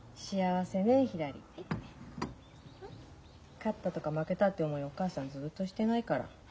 勝ったとか負けたって思いお母さんずっとしてないから。